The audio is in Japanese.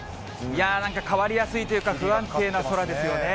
やあ、なんか変わりやすいというか、不安定な空ですよね。